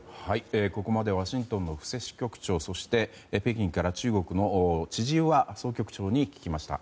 ここまでワシントンの布施支局長そして北京から中国の千々岩総局長に聞きました。